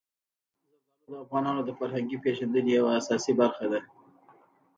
زردالو د افغانانو د فرهنګي پیژندنې یوه اساسي برخه ده.